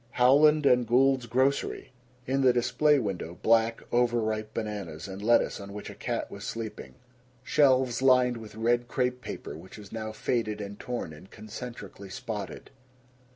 Howland & Gould's Grocery. In the display window, black, overripe bananas and lettuce on which a cat was sleeping. Shelves lined with red crepe paper which was now faded and torn and concentrically spotted.